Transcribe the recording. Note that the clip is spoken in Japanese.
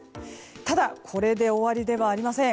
ただこれで終わりではありません。